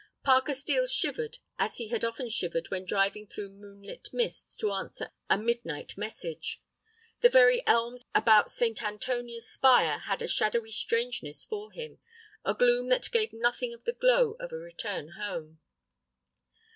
Parker Steel shivered as he had often shivered when driving through moonlit mists to answer a midnight message. The very elms about St. Antonia's spire had a shadowy strangeness for him, a gloom that gave nothing of the glow of a return home.